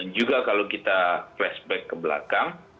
juga kalau kita flashback ke belakang syarat dengan kontroversi